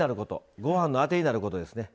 ご飯のアテになることですね。